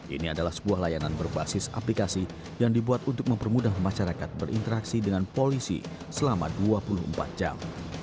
ini adalah sebuah layanan berbasis aplikasi yang dibuat untuk mempermudah masyarakat berinteraksi dengan polisi selama dua puluh empat jam